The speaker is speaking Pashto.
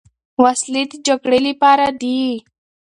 وسلې د جګړې لپاره دي.